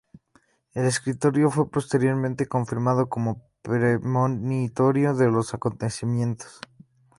El escrito fue posteriormente confirmado como premonitorio de los acontecimientos.